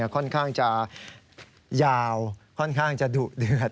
ค่อนข้างจะยาวค่อนข้างจะดุเดือด